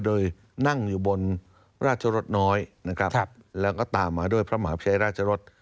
โดยนั่งอยู่บนราชรสน้อยนะครับแล้วก็ตามมาด้วยพระมหาพิชัยราชรส